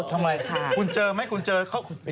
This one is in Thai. ทำไมคุณเจอไหมคุณเจอเขา